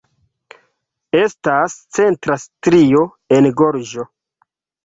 Estas centra strio en gorĝo.